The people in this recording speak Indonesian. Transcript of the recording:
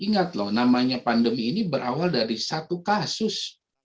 ingat loh namanya pandemi ini berawal dari satu kasus